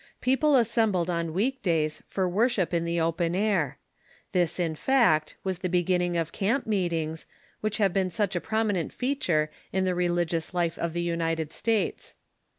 People assembled on week days for worship in the open air. This, in fact, was the beginning of camp meetings, which have been such a prominent feature in the religious life of the United States.